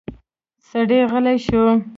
سړی غلی شو.